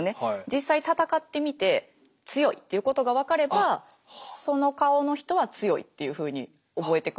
実際戦ってみて強いということが分かればその顔の人は強いっていうふうに覚えてくれるんです。